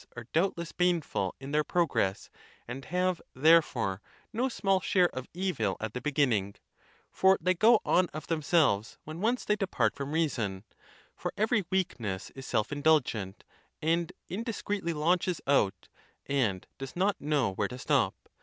are doubtless baneful in their progress, and have, there fore, no small share of evil at the beginning; for they go on of themselves when once they depart from reason, for every weakness is self indulgent, and indiscreetly launches out, and does not know where to stop.